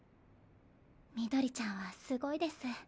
ミドリちゃんはすごいです。